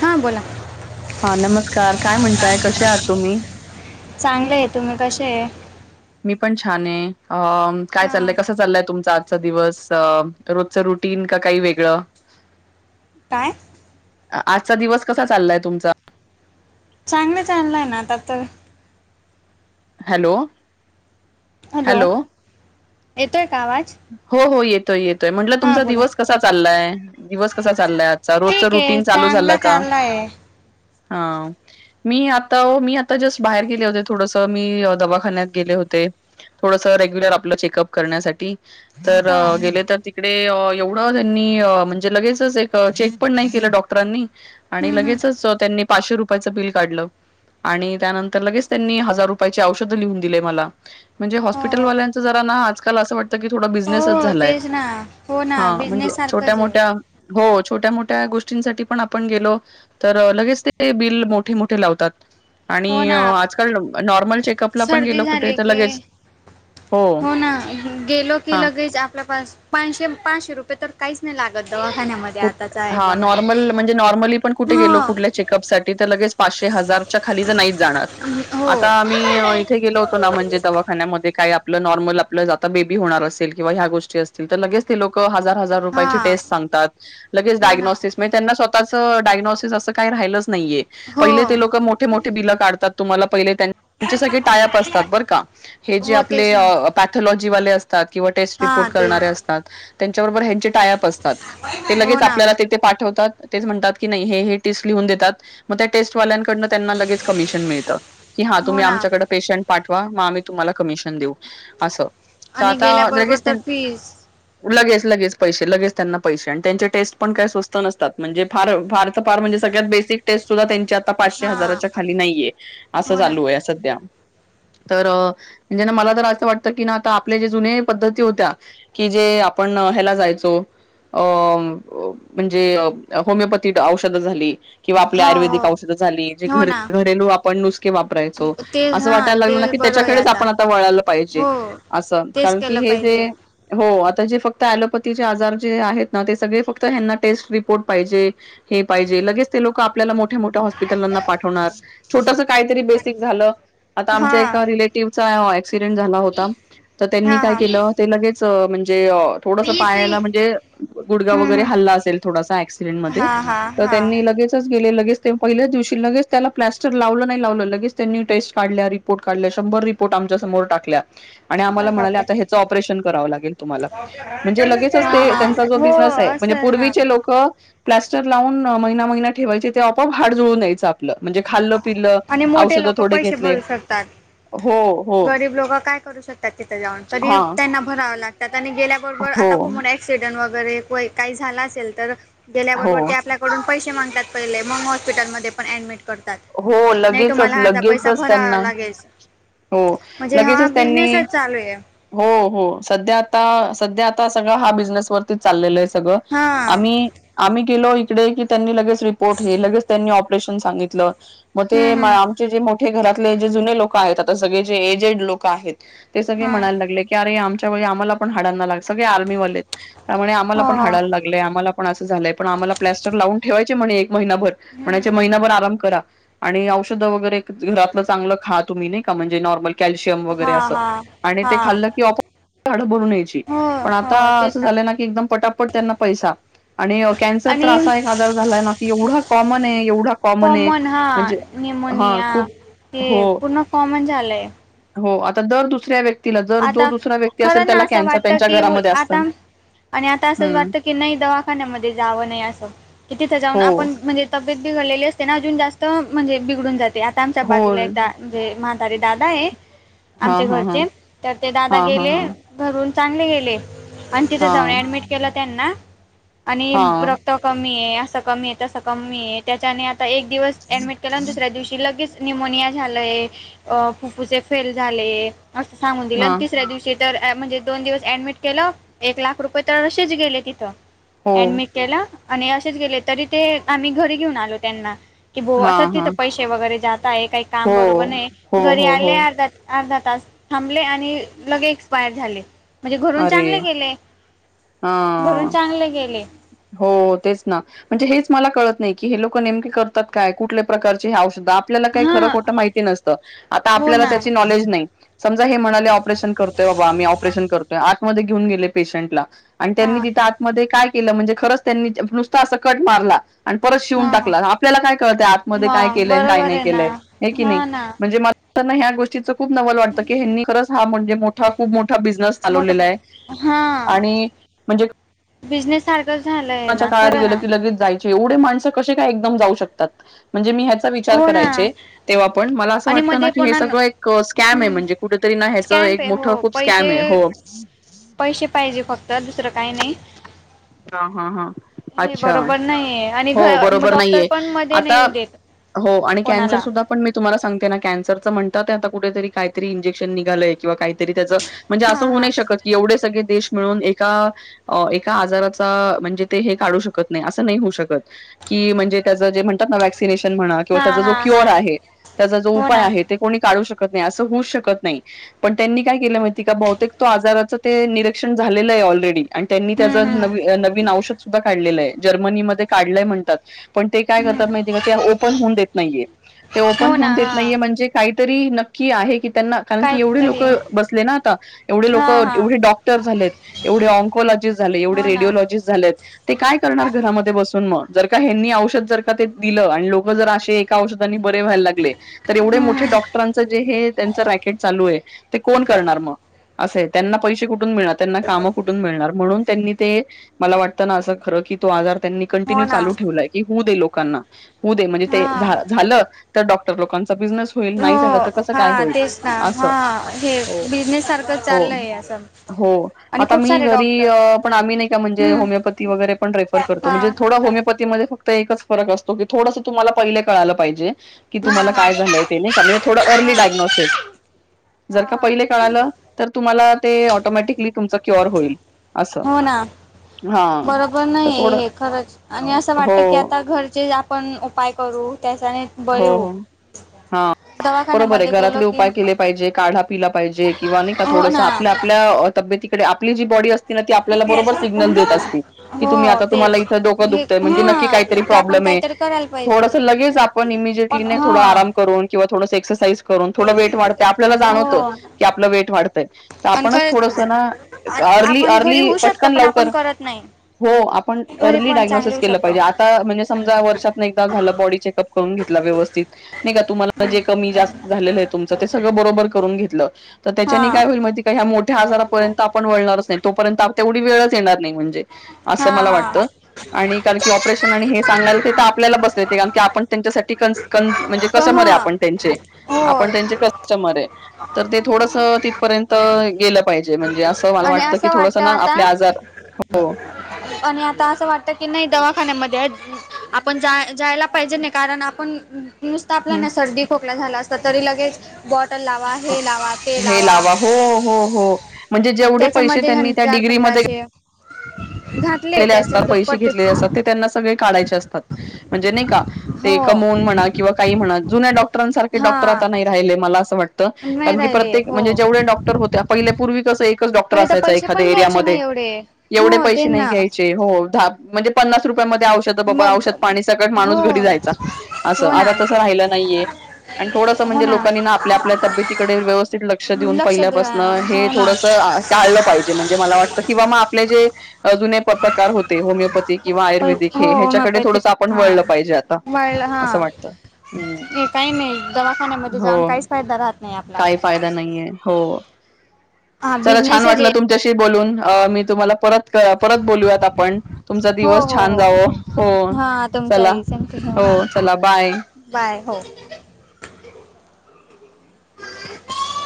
हां बोला हा नमस्कार, काय म्हणताय? कशे आत तुम्ही? चांगले ये, तुम्ही कशे ये? मी पण छान ये, अ काय चालंय? हां कस चालंय तुमचा आजचा दिवस अ रोजच रुटीन का काई वेगळं काय? आ आजचा दिवस कसा चाललाय तुमचा? चांगलं चालंलाय ना आता त हॅलो हॅलो, येतोय का आवाज? हो हो, येतोय येतोय म्हणलं हां तुमचा बोला दिवस कसा चाललाय. दिवस कसा चाललाय आजचा, रोजच ठीक आहे रुटीन चालू झालं चांगलं का? [unintelligible] हा मी आता ओ मी आता जस्ट बाहेर गेले होते. थोडस मी दवाखन्यात गेले होते. थोडस रेग्युलर आपलं चेकअप करण्यासाठी तर हां गेले त ती तिकडे अं एवढं त्यांनी अं म्हणजे लगेचच एक चेक पण नय केलं डॉक्टरांनी आणि हं, हं. लगेचच त्यांनी पाचशे रुपयाचं बिल काडलं. आणि त्यानंतर लगेच त्यांनी हजार रुपयाची औषधं लिहून दिले मला म्हणजे हो हॉस्पिटल वाल्यांच जरा ना आजकाल असं वाट- ते की थोडा बिझनेसच हो झालाय तेच ना हो ना हा म्हणजे छोट्या बिझनेससारखंच आहे मोट्या- हो छोट्या मोट्या गोष्टींसाटी पण आपण गेलो? तर लगेच ते बिल मोठी मोठे लावतात. हो आणि ना आजकल नॉर्मल चेकअपला पण गेलं सर्दी कुठे झाली तर की लगेच हो. गेलो की हा लगेच आपल्यापास पानशे पाशे रुपय तर- काहीच नाही लागत दवाखान्यामध्ये कुठ आताच्या हा आयोगामध्ये नॉर्मल ह. खूप साठी तर लगेच आता पाचशे हजारच्या खाली तर नाहीच जाणार हो आता - मी इथे गेलो होतो ना म्हणजे दवाखान्यामध्ये काय आपलं नॉर्मल आपलं आता बेबी होणार असेल किंवा ह्या गोष्टी अस. लगेोक हजार हार रेट हां सगात हो ना लगेचा्. त्यांना स्वतःच डायग्नसिस असं काही राहिच नाहीये हो पहिले ते लोक मोठे मोठ. ते बिल काढतात. तुम्हाला पहिली त्यांची सगळी टायप असतात बर का? हे जे हो आपले तेच ना अ- थलॉजीवाले असतात किंवा टेस्ट हा रिपोर्ट ते करणारे असतात त्यांच्याबरोबर ह्यांचे टायअप असतात. ते हो लगेच ना आपल्याला तेते पाठवतात तेच म्हणटात की नई हे हे टिस लिहून देतात मग त्या टेस्टवाल्यां- कडन त्यांना लगेच कमिशन मिळतं कि हा हो तुम्ही ना आमच्याकड पेशंट पाठवा मग आम्ही तुम्हाला कमिशन देऊ असं. तर आणि आता गेल्याबरोबर लगेच तर फीज लगेच लगेच पैसे लगेच त्यांना पैसे आणि. त्यांचे टेस्ट पण काही स्वस्त नसतात म्हणजे फार फारच फार म्हणजे सगळ्यात बेसिक. सुधा त्यांची आता पाचशे हा हजाराच्या खाली नाहीये असं हो ना चालू आहे सध्या. तर म्हणजे ना मला तर असं वाटतं की ना आता आपल्या जे जुने्या पद्धती होत्या. की जे आपण ह्याला जायचो अ. म्हणजे होमिओपथी औषध झाली. किंवा आपली हो हो आयुर्वेदिक औषधं झाली जे हो घर ना घरेलू आपण नुसके वापरायचो ते असं हा वाटयला ते लागलं ना क. बरं आहे त्याच्याकडेच आपण आता वळालं पाहिजे हो असं तेच कारण की केलं हे पाहिजे जे. हो आता जे फक्त लोपथीचे आजार जे आहेत ना ते सगळे फक्त ह्यांना टेस्ट रिपोर्ट पाहिजे. हे पाहिजे लगेच ते लोक आपल्याला मोठ्या मोठ्या हॉस्पिटलांना पाठवणार छोटस. काहीतरी बेसिक झालं आता हा आमच्या एका रिलेटिव्ह. अक्सिडेंट झाला होता तर त्यांनी हा काय हा केलं ते लगेच म्हणजे. थोड पायाला म्हणजे गुडगाव हम्म वगैरे हम्म हल्ला असेल थोडासा क्सिडेंट मध्ये हा हा तर हा त्यांनी. लगेच गेले लगेच ते पहिल्याच दिवशी लगेच त्याला प्लॅस्टर लावलं नाही लावलं लगेच त्यांनी टेस्ट काढल्या. िोर्ट काढल्या शंभर रिपोर्ट आमच्या समोर टक आणि आमला अरे म्हणा बापरे आताच ऑपरेन करावं लागेल. म्हणे लगेच हा हा त्यांचा हो बसर्. असेल ना प्स्टर ला म म ठेवाय ते आपप हड जळून द्याचं आपलं म्हे खालं. पिलं आणि मोठे औषध लोक थोडे पैसे घेतले. भरू शकतात हो हो गरीब लोक काय करू शकतात तिथं जाऊन तरी हा त्यांना भरावं लागत. त्या आणि गेल्याबरोबर हो आता कम. एक्सिडेंट वगैरे काही झाला असेल तर हो गेल्याबरोबर ते आपल्या. पडून पैसे मागतात पहिले मग हॉस्पिटलमध्ये पण ॲडमिट करतात. हो नाही लगेचच तुम्हाला अर्धा पैसा लगेचच भरावा त्यांना. लागेल हो म्हणजे हा लगेचच त्यांनी. बिझनेसच चालू आहे. हो हो सध्या आता सध्या आता सगळा हा बिझनेस व. चालल आहे सगळं हा आम्ही. आम्ही गेलो इकडे की त्यांनी लगेच रिपोर्ट हे लगेच त्यांनी ऑपरेशन सांगितलं. मग ते हम्म हम्म आमचे जे मोठे घरातले जे जुने लोक आहेत आता सगळे जे एजेड लोक आहेत. ते सगळे हा म्हणायला लागले कीरे आमच्या वळी आम्हाला पण हायना लाग सगळे आर्मीवाले. त्यामुळे हो आम्हाला पण हो हाडाला लागलंय आम्हाला पण असं झालंय पण आम्हाला प्लास्टर लावून ठेवायचे म्हणे महिनाभर म्हणायचे हम्म महिनाभर आराम करा. आणि औषध वगैरे घरातलं चांगलं खा तुम्ही नाही का म्हणजे नॉर्मल कॅल्शियम वगैरे हा असं हा आणि हा ते खाल्लं की आपो.. हाडं भरून यायची. हो पण हो आता तेच असं झालं ना की एकदम पटापट त्यांना पैसा. आणि कॅन्सर तर आणि असा एक आजार झालाय ना की एवढा कॉमन आहे एवढा कॉमन आहे. हा म्हणजे हा निमोनिया खूप हे हो पूर्ण कॉमन झालंय. हो आता दर दुसऱ्या व्य तिला जर जो आता दुसरा व्यक्ती असेल खरं ना त्याला असं कॅन्सर वाटतं त्यांच्या की उल घरामध्ये असतं आता आणि आता असंच हम्म. वाटतं की नाही दवाखान्यामध्ये जावं नाही असं की तिथं जाऊन हो आपण म्हणजे तब्येत बिघडलेली असते ना अजून जास्त म्हणजे बिघडून जाते आता आमच्या हो बाजूला एक दा म्हणजे म्हातारे दादा आहे हा आमचे हा हा घरचे तर ते दादा हा हा गेले घरून चांगले गेले आणि तिथे हा जाऊन ऍडमिट केला त्यांना आणि हा र हा क्त कमी आहे असं कमी आहे तसं कमी आहे त्याच्याने आता एक दिवस ऍडमिट केलं आणि दुसऱ्या दिवशी की लगेच निमोनिया झालंय अ फुफ्फुसे फेल झाले असं सांगुन दिलं हा आणि तिसऱ्या दिवशी तर म्हणजे दोन दिवस ऍडमिट केलं एक लाख रुपये तर असेच गेले तिथं हो ऍडमिट केलं आणि असेच गेले तरी ते आम्ही घरी घेऊन आलो त्यांना की ब हा असंच तिथ हा पैसे वगैरे जात आहे काही काम हो बरोबर नाही हो घरी हो हो आले अर्धा ता. अर्धा तास थांबले आणि लगे एक्सपायर झाले. म्हणजे घरून अरे चांगले गेले हा घरून चांगले गेले. हो तेच ना. म्हणजे हेच मला कळत नाही की हे लोक नेमके करतात काय? कुठल्या प्रकारचे हे औषध आप ल्याला खरं हां खोटं माहिती नसतं आता हो आपल्याला ना त्याची नॉलेज नाही, समजा हे म्हणाले ऑपरेशन करतोय बाबा आम्ही ऑपरेशन करतोय, आतमध्ये घेऊन गेले पेशंटला आणि त्यांनी हां तिथं आतमध्ये काय केलं म्हणजे खरंच त्यांनी नुसता असं कट मारला आणि परत शिवून हां हां टाकला. आपल्याला काय कळतंय आतमध्ये काय मग केलंय आणि काय बरोबर नाही आहे ना केलंय हे की नाही हां ना म्हणजे मला ना ह्या गोष्टीचं खूप नवल वाटतं की यांनी खरंच हा म्हणजे मोठा खूप मोठा बिझनेस मोठं चालवलेला प आहे आणि म्हणजे बिझनेस सारखंच झालंय कोरोनाच्या ना काळात खरं गेलं ना. की लगेच जायचे एवढे माणसं कसे काय एकदम जाऊ शकतात म्हणजे मी ह्याचा विचार हो ना करायचे तेव्हापण, मला असं आणि वाटतं ना मध्ये की हे पुन्हा न सगळं एक स्कॅम आहे हं, म्हणजे कुठेतरी ना ह्याच स्कॅम्प एक आहे मोठं हो खूप स्कॅम पैसे आहे हो. पैसे पाहिजे फक्त दुसरं काही नाही. हा हा हा. हे अच्छा बरोबर नाही आहे. आणि घ हो मग बरोबर डॉक्टर नाहीये पण मध्ये आता नाही येऊ देत हो आणि कॅन्सर कोणाला सुद्धा पण मी तुम्हाला सांगते ना कॅन्सरचं म्हणता आता कुठेतरी काहीतरी इंजेक्शन निघालंय किंवा काहीतरी त्याचं म्हणजे असं हां होऊ हां नाही शकत की एवढे सगळे देश मिळून एका अ एका आजाराचा म्हणजे ते हे काढू शकत नाही असं नाही होऊ शक की म्हणजे त्याचं जे म्हणतात ना वॅक्सिनेशन म्हणा किंवा हां त्याचा जो हां क्युअर हां आहे त्याचा जो हो उपाय ना आहे ते कोणी काढू शकत नाही असं होऊच शकत नाही. पण त्यांनी काय केलं माहिती का बहुतेक तो आजाराचं ते निरीक्षण झालेलं आहे ऑलरेडी आणि त्यांनी हं, त्याचं हं. नवी नवीन औषध सुद्धा काढलेलं आहे, जर्मनीमध्ये काढलंय म्हणतात. पण ते काय करतात हं. माहीतय का ओपन होऊन देत नाहीये ते ओपन हो ना होऊन देत हां नाहीये म्हणजे काहीतरी नक्की आहे की त्यांना कारण की एवढे लोक काहीतरी बसले ना आता एवढे लोक हां हां एवढे डॉक्टर झालेत एवढे ऑन्कोलॉजिस्ट झाले एवढे हो ना रेडिओलॉजिस्ट झालेत ते काय करणार घरामध्ये बस सून मग जर का ह्यांनी औषध जर का ते दिलं आणि लोक जर असे एका औषधानी बरे व्हायला लागले तर एवढे मोठे हम्म डॉक्टरांचं जे हे त्यांच रॅकेट चालू आहे ते कोण करणार मग असं आहे त्यांना पैसे कुठून मिळत त्यांना कामं कुठ टून मिळणार, म्हणून त्यानी ते मला वाटत ना अस खर की तो आजार त्यांनी हो कंटिन्यू ना चालू ठेवलाय होऊ दे लोकांना, होऊ दे म्हणजे ते हा झा झालं तर डॉक्टर लोकांचा बिझनेस होईल हो नाही झालं तर कसं हा काय होईल. तेच ना असं हा हे हो बिझनेस सारखं हो चाललंय असं हो आणि आता खूप मी सारे घरी डॉक्टर्स पण आम्ही नाही का म्हणजे हम्म होमिओपथी वगैरे पण रेफर करतो हा म्हणजे थोड होमिओपथीमध्ये फक्त एकच फरक असतो की थोडस तुम्हाला पहिले कळायला पाहिजे कि हा तुम्हाला हा काय झालंय ते नाही का म्हणजे थोडं हा अर्ली डायग्नोसिस जर हा का हा पहिले कळालं तर तुम्हाला ते ऑटोमॅटिकली तुमच क्युअर होईल असं हो ना हा बरोबर तर नाही थोडं हे खरंच आणि असं वाटतं की हो आता घरचेच आपण उपाय करू त्याच्यानेच हो हो हा. बरोबर आहे, दवाखान्यामध्ये गेलो घरातले की उपाय केले पाहिजे, काढा पिला पाहिजे किंवा नाही का हो थोडस ना आपल्या आपल्या तब्येती कडे आपली जी बॉडी अस ते ना ती आपल्याला बरोबर सिग्नल देत असते का तुम्ही हो आता तुम्हाला तेच इथ डोकं हे दुखतय म्हणजे नक्की हा काहीतरी तर आपण प्रॉब्लेम आहे. काहीतरी करायला पाहिजे पण इमिजिएटली पण नाय थोड हा आराम करून किंवा थोडस एक्सरसाइज करून थोडं वेट वाढतय आपल्याला हो जाणवत की आपलं वेट वाढतय तर आणि आपणच खरंच थोडस ना आ- अर्ली आपण घरी अर्ली होऊ शकतं पटकन पण लवकर आपण करत नाही हो आपण घरी अर्ली पण चांगले डायग्नोसिस होऊ केलं शकतो पाहिजे आ ता म्हणजे समजा वर्षात न एकदा झालं बॉडी चेकअप करून घेतला व्यवस्थित नाही का तुम्हाला जे कमी जास्त झालेलं आहे तुमच ते सगळं बरोबर करून घेतलं तर हा त्याच्याने काय होईल माहिती का ह्या मोठ्या आजारापर्यंत आपण वळणारच नाही तोपर्यंत आप तेवढी वेळच येणार नाही म्हणजे ते हा असं मला हा वाटतं आणि कारण की ऑपरेशन आणि हे सांगायला ते तर आपल्याला बसलेत कारण की आपण त्यांच्यासाठी क का म्हणजे क कस्टमर आहे हा आपण त्यांचे आपण होय त्यांचे कस्ट मर आहे तर ते थोडस तिथपर्यंत गेलं पाहिजे म्हणजे जे असं मला आणि वाटतं की असं थोडा ना आपले आता आजार जे आणि आता असं वाटत की नाही दवाखान्यामध्ये ॲड आपण जा जायला पाहिजे नाही कारण आपण नुसतं आपल हम्म. ना सर्दी खोकला झाला असता तरी लगेच बॉटल लावा हे लावा ते लावा हो हो हो म्हणजे जेवढे पैसे त्याच्यामध्ये त्यांनी घाण त्या चार डिग्रीमध्ये पंधराशे घातले घातलेले त्याच्या असतात पैसे दुप्पट घेतलेले असतात ते तिप्पट त्यांना सगळे काढायचे असतात म्हणजे नाही का ते हो कमऊन म्हणा किंवा काही म्हणा. जुन्या डॉक्टरांसारख डॉक्टर हा आता नाही राहिले मला असं वाटत त नाही कारण की राहिले प्रत्येक हो म्हणजे जेवढे डॉक्टर होते पहिल्यापूर्वी कसं एक एकच डॉक्टर पण इथं असायचा पैसे एखाद्या पण घ्यायचे ना एरियामध्ये एवढे एवढे हो ते पैसे नाही ना ते हो धाप म्हणजे पन्नास रुपयांमध्ये औषध तर बाबा मग औषध पाणी सकट माणूस हो घरी जायचा असं हो ना आता तसं राहिलं नाहीये आणि थोडसं म्हणजे लोकांनी ना आपल्या आपल्या तब्येतीकडे व्यवस्थित लक्ष देऊन लक्ष दे पहिल्यापासन हे हो ना थोडसं टाळलं पाहिजे म्हणजे मला वाटत किंवा मग आपले जे जुने [unintelligible] कार होते होमिओपॅथी किंवा हो आयुर्वेदिक हे ह्याच्याकडे होमिओपॅथिक थोडस आपण हां वळलं पाहिजे आता वाढलं असं हां वाटतं हम्म नाही काही नाही दवाखान्यामध्ये हो जाऊन काहीच फायदा राहत नाही आपला काही फायदा नाहीेये हो हा चला छान बिझनेसच आहे वाटलं तुम च्याशी बोलून अ मी तुम्हाला परत परत बोलूयात आपण तुमचा हो दिवस हो छान हो जावो हो हां चला. तुमचाही सेम टू सेम हो हां चला बाय. बाय हो. [unintelligible]